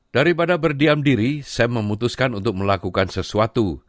daripada berdiam diri sam memutuskan untuk melakukan sesuatu